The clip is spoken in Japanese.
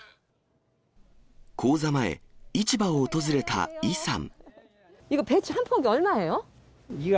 講座前、市場を訪れたイさん。